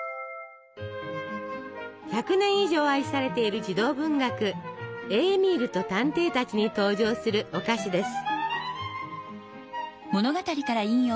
１００年以上愛されている児童文学「エーミールと探偵たち」に登場するお菓子です。